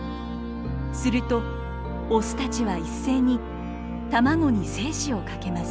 するとオスたちは一斉に卵に精子をかけます。